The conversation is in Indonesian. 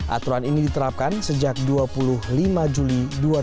aturan ini diterapkan sejak dua puluh lima juli dua ribu dua puluh